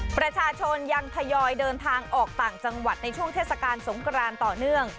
ประชาชนยังทยอยเดินทางออกต่างจังหวัดในช่วงเทศกาลสงกรานต่อเนื่อง